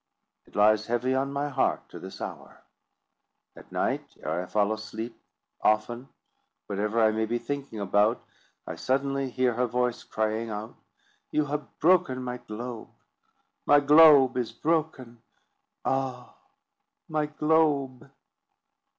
It lies heavy on my heart to this hour. At night, ere I fall asleep, often, whatever I may be thinking about, I suddenly hear her voice, crying out, "You have broken my globe; my globe is broken; ah, my globe!"